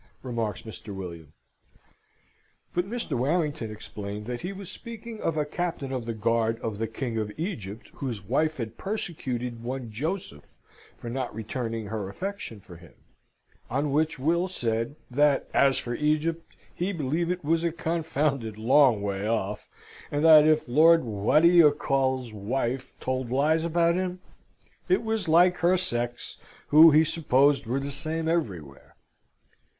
remarks Mr. William. But Mr. Warrington explained that he was speaking of a Captain of the Guard of the King of Egypt, whose wife had persecuted one Joseph for not returning her affection for him. On which Will said that, as for Egypt, he believed it was a confounded long way off; and that if Lord What d'ye call's wife told lies about him, it was like her sex, who he supposed were the same everywhere.